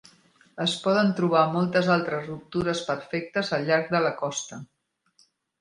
Es poden trobar moltes altres ruptures perfectes al llarg de la costa.